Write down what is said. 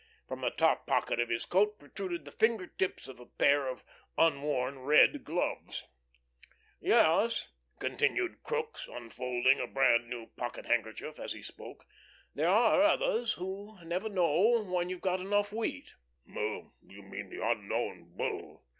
From the top pocket of his coat protruded the finger tips of a pair of unworn red gloves. "Yes," continued Crookes, unfolding a brand new pocket handkerchief as he spoke. "There are others who never know when they've got enough wheat." "Oh, you mean the 'Unknown Bull.'"